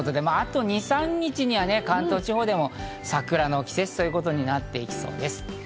あと２３日すれば関東でも桜の季節ということになっていきそうです。